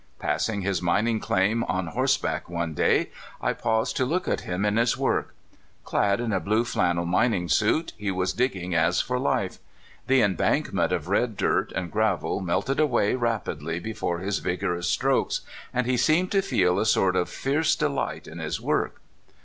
Passing his mining claim on horse back one day, I paused to look at him in his work. Clad in a blue flannel mining suit, he was digging as for life. The embankment of red dirt and gravel melted away rapidly before his vigorous strokes, and he seemed to feel a sort of fierce de 254 CALIFORNIA SKETCHES. light in his work.